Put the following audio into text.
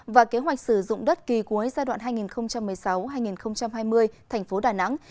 và kế hoạch sử dụng đất kỳ cuối giai đoạn hai nghìn một mươi sáu hai nghìn hai mươi thành phố đà nẵng